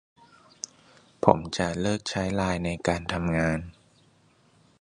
ผมจะเลิกใช้ไลน์ในการทำงาน